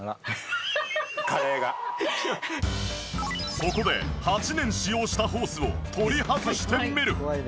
そこで８年使用したホースを取り外してみる。